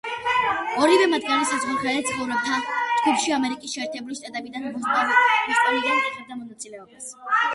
ორივე მათგანი საზღვარგარეთ მცხოვრებთა ჯგუფში ამერიკის შეერთებული შტატებიდან, ბოსტონიდან იღებდა მონაწილეობას.